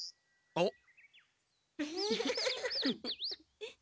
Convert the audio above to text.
あっ。